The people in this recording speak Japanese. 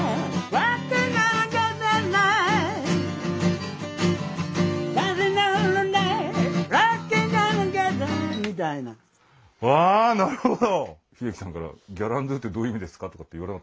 わあなるほど！